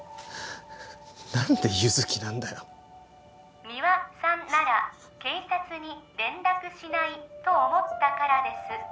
何で優月なんだよ三輪さんなら警察に連絡しないと思ったからです